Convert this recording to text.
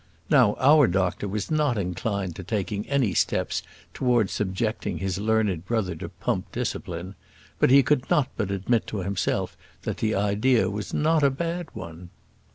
Now our doctor was not inclined to taking any steps towards subjecting his learned brother to pump discipline; but he could not but admit to himself that the idea was not a bad one.